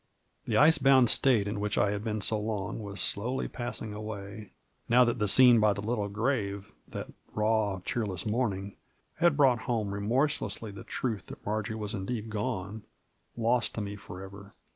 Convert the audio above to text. Digitized by VjOOQIC 108 MABJOBT. The ice bound state in which I had been so long was slowly passing away, now that the scene by the little grave that raw, cheerless morning had brought home re morselessly the truth that Marjory was indeed gone, lost to me forever.